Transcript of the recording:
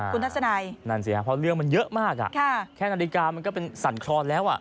คุณนักสนายนั่นสิฮะเพราะเรื่องมันเยอะมากอ่ะค่ะแค่นาฬิกามันก็เป็นสั่นคลอดแล้วอ่ะ